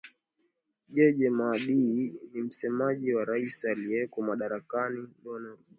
jeje madii ni msemaji wa rais aliyeko madarakani lauren bagbo